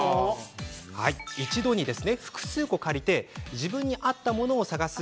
一度に複数個、借りて自分に合ったものを探す